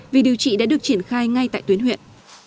vì điều trị đã được triển khai ngay tại tuyến huyện